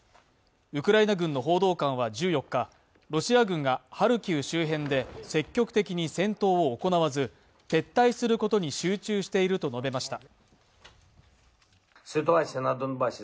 ウクライナ軍の報道官は１４日、ロシア軍がハルキウ周辺で積極的に戦闘を行わず撤退することに集中していると述べました。